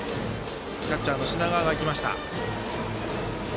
キャッチャーの品川が行きました。